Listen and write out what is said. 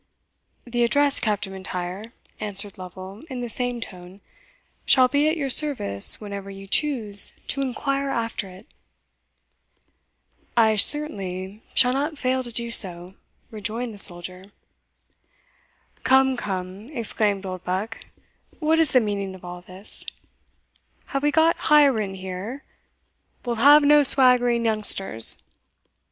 "The address, Captain M'Intyre," answered Lovel, in the same tone, "shall be at your service whenever you choose to inquire after it!" "I certainly shall not fail to do so," rejoined the soldier. "Come, come," exclaimed Oldbuck, "what is the meaning of all this? Have we got Hiren here? We'll have no swaggering youngsters.